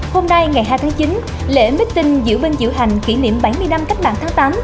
hôm nay ngày hai tháng chín lễ mít tình giữ vân dự hành kỷ niệm bảy mươi năm cách mạng tháng tám